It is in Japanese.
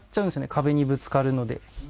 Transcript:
壁にぶつかるので。